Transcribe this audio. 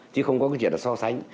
chứ không có cái chuyện là so sánh